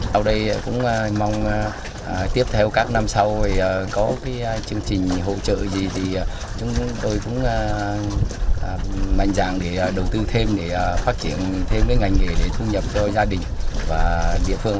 sau đây cũng mong tiếp theo các năm sau có cái chương trình hỗ trợ gì thì chúng tôi cũng mạnh dạng để đầu tư thêm để phát triển thêm cái ngành nghề để thu nhập cho gia đình và địa phương